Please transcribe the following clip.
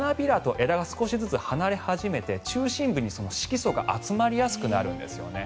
花弁と枝が少しずつ離れ始めて中心部に色素が集まりやすくなるんです。